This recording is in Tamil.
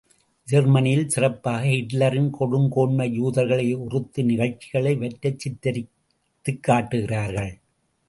ஜெர்மனியில் சிறப்பாக இட்லரின் கொடுங்கோன்மை யூதர்களை ஒறுத்த நிகழ்ச்சிகள் இவற்றைச் சித்திரித்துக் காட்டுகிறார்கள்.